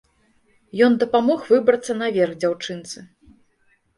Ён дапамог выбрацца наверх дзяўчынцы.